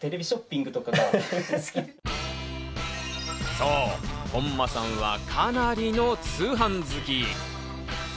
そう、本間さんは、かなりの通販好き。